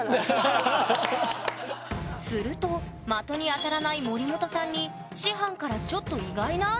すると的に当たらない森本さんに師範からちょっと狙わない？